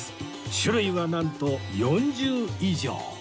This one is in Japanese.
種類はなんと４０以上